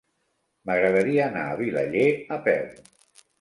M'agradaria anar a Vilaller a peu.